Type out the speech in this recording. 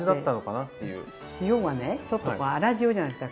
塩がねちょっと粗塩じゃないですか。